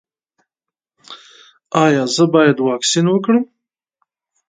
ایا زه باید واکسین وکړم؟